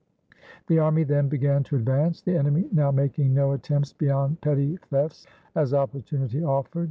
The army then began to advance, the enemy now making no attempts beyond petty thefts, as opportunity offered.